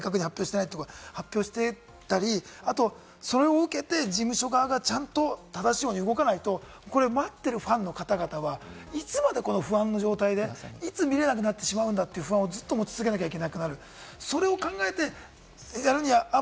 どうしていくか明確に発表していないところを発表していったり、それを受けて事務所側がちゃんと正しい方向に動かないと、待ってるファンの方々はいつまでこの不安な状態で、いつ見られなくなってしまうんだという不安をずっと持ち続けなきゃいけなくなる。